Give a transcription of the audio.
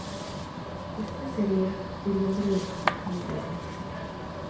Este sería el nombre de su próximo álbum.